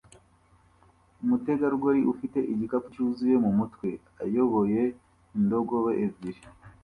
Umutegarugori ufite igikapu cyuzuye mumutwe ayoboye indogobe ebyiri